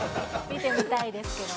見てみたいですけど。